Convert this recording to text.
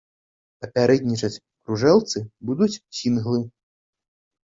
Папярэднічаць кружэлцы будуць сінглы.